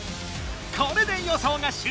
これで予想が終了。